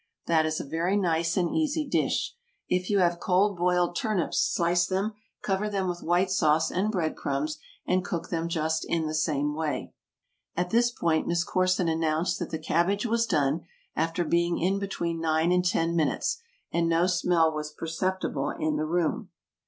That is a very nice and easy dish. If you have cold boiled turnips, slice them, cover them with white sauce and bread crumbs, and cook them just in the same way. (At this point Miss Corson announced that the cabbage was done, after being in between nine and ten minutes, and no smell was perceptible in the room.)